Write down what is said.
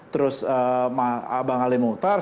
terus abang ali mukhtar